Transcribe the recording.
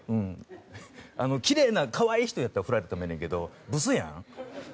きれいなかわい人やったら、ふられてもええんやけど、ブスやん。